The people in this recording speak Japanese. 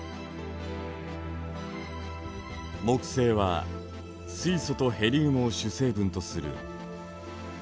木星は水素とヘリウムを主成分とする分厚い